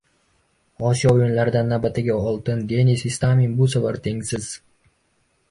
Osiyo o‘yinlaridan navbatdagi oltin! Denis Istomin bu safar tengsiz!